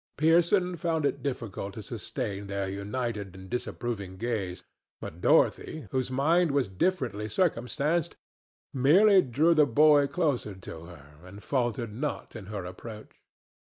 Pearson found it difficult to sustain their united and disapproving gaze, but Dorothy, whose mind was differently circumstanced, merely drew the boy closer to her and faltered not in her approach.